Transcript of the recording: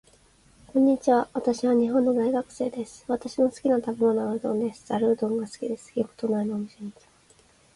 こんにちは。私は日本の大学生です。私の好きな食べ物はうどんです。ざるうどんが好きです。よく都内のお店に行きます。